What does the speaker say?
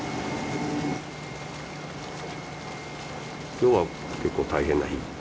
今日は結構大変な日。